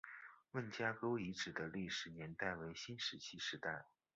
方家沟遗址的历史年代为新石器时代。